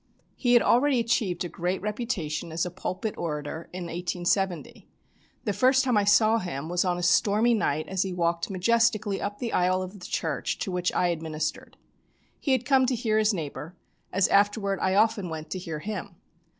He had already achieved a great reputation as a pulpit orator in 1870. The first time I saw him was on a stormy night as he walked majestically up the aisle of the church to which I administered. He had come to hear his neighbour, as afterward I often went to hear him.